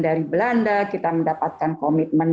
dari belanda kita mendapatkan komitmen